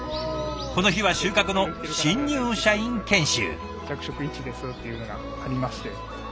この日は収穫の新入社員研修。